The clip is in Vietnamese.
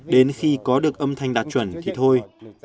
đến khi có được âm thanh đạt chuẩn thì thôi